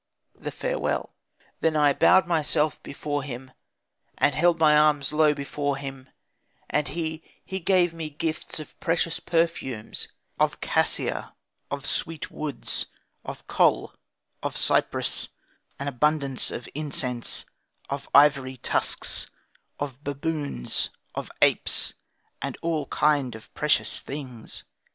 '" THE FAREWELL "Then I bowed myself before him, and held my arms low before him, and he, he gave me gifts of precious perfumes, of cassia, of sweet woods, of kohl, of cypress, an abundance of incense, of ivory tusks, of baboons, of apes, and all kind of precious things.